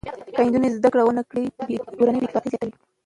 که نجونې زده کړه نه وکړي، کورنۍ بې اتفاقي زیاته وي.